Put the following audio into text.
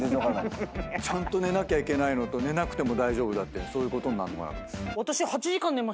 ちゃんと寝なきゃいけないのと寝なくても大丈夫だってそういうことになんのかな。